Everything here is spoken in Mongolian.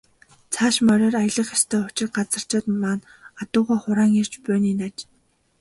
Цааш мориор аялах ёстой учир газарчид маань адуугаа хураан ирж буй нь энэ аж.